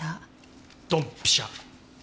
ドンピシャ。